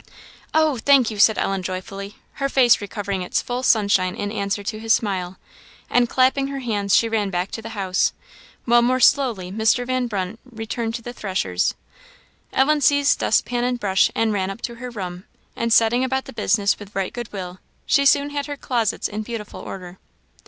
"Oh, thank you!" said Ellen, joyfully, her face recovering its full sunshine in answer to his smile, and clapping her hands, she ran back to the house, while more slowly Mr. Van Brunt returned to the threshers. Ellen seized dustpan and brush, and ran up to her room; and setting about the business with right good will, she soon had her closets in beautiful order.